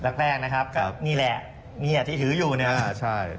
หลักแรกนะครับก็นี่แหละนี่แหละที่ถืออยู่นะครับ